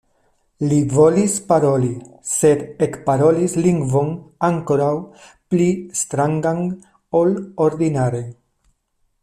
Li volis paroli, sed ekparolis lingvon ankoraŭ pli strangan ol ordinare.